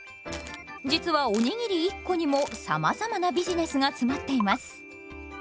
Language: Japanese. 実はおにぎり１個にもさまざまなビジネスが詰まっています。